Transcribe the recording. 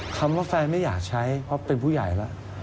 คำว่าแฟนไม่อยากใช้เพราะเป็นผู้ใหญ่แล้ว